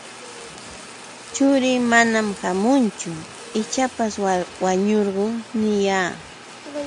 Churii manam ćhaamunchu, wañukunmanćhiki niyaa.